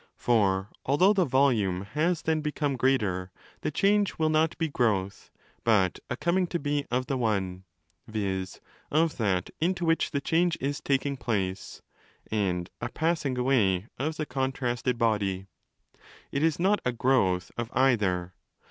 For, although the volume has then become greater, the change will not be growth, but a coming to be_ of the one—viz. of that into which the change is taking place—and a passing away of the contrasted body. It is not a growth of either.